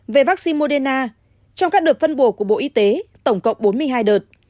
về vaccine moderna trong các đợt phân bổ của bộ y tế tổng cộng bốn mươi hai đợt